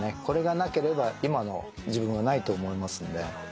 これがなければ今の自分はないと思いますので。